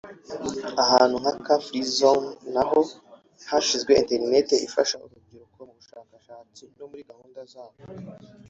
Ahantu nka Car Free Zone naho hashyizwe internet ifasha urubyiruko mu bushakashatsi no muri gahunda zabo